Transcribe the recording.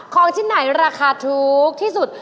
ของที่ไหนราคาทูกที่สุด